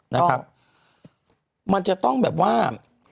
นะครับมันจะต้องแบบว่า